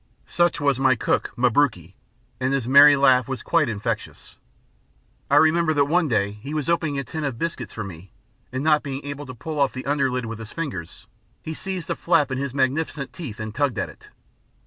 Such was my cook, Mabruki, and his merry laugh was quite infectious. I remember that one day he was opening a tin of biscuits for me, and not being able to pull off the under lid with his fingers, he seized the flap in his magnificent teeth and tugged at it.